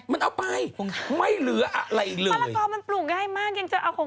มันเอาไปทั้งต้น